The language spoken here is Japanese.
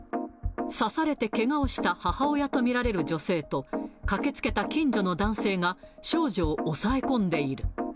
刺されてけがをした母親と見られる女性と、駆けつけた近所の男性が、少女を押さえ込んでいる。